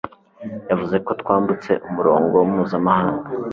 Yavuze ko twambutse Umurongo Mpuzamahanga